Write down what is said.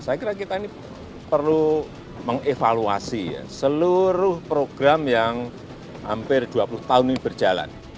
saya kira kita ini perlu mengevaluasi seluruh program yang hampir dua puluh tahun ini berjalan